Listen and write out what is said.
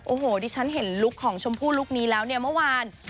โอ้โหดิฉันเห็นลุคของชมพู่ลุคนี้แล้วเนี่ยเมื่อวาน